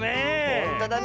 ほんとだね。